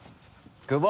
久保！